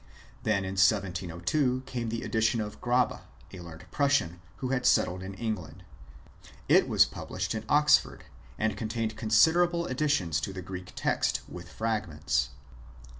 Then, in 1702, came the edition of Grabe, a learned Prussian, who had settled in England. It was published at Oxford, and contained considerable additions to the Greek text, with fragments.